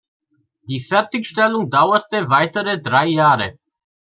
Die Fertigstellung dauerte weitere drei Jahre.